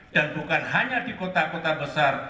dan bukan hanya di kota kota besar